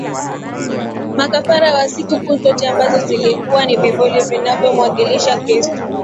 makafara na sikukuu zote ambazo zilikuwa ni vivuli vinavyomwakilisha Kristo